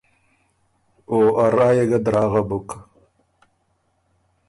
او ا رائ يې ګۀ دراغه بُک۔